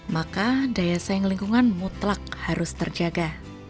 maka daya saing lingkungan mutlak harus terjaga